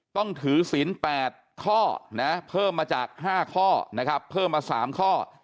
ต้องถือศีล๘ข้อนะเพิ่มมาจาก๕ข้อนะครับเพิ่มมา๓ข้อ